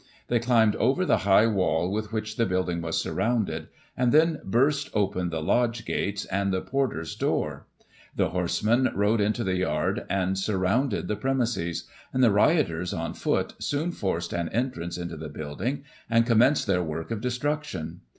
They climbed over the high wall with which the building was surrounded, and then burst open Digiti ized by Google 204 GOSSIP. [1843 the lodge gates and the porter's door; the horsemen rode into the yard, and surrounded the premises ; and the rioters on foot soon forced an entrance into the building, and com menced their work of destruction.